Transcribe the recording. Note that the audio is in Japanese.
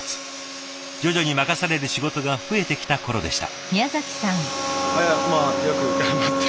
徐々に任される仕事が増えてきた頃でした。